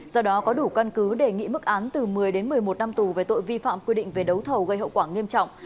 do đó có đủ căn cứ đề nghị mức án từ một mươi đến một mươi một năm tù về tội vi phạm quy định về đấu thầu gây hậu quả nghiêm trọng